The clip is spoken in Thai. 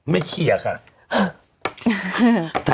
ไม่เคียกค่ะ